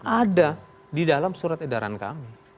ada di dalam surat edaran kami